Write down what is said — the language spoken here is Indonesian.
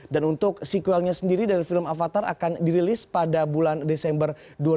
dan untuk sequelnya sendiri dari film avatar akan dirilis pada bulan desember dua ribu delapan belas